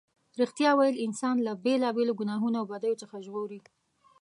رښتیا ویل انسان له بېلا بېلو گناهونو او بدیو څخه ژغوري.